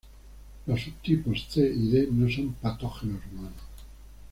Los subtipos "C" y "D" no son patógenos humanos.